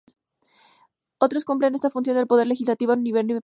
Estos cumplen la función del Poder Legislativo a nivel departamental.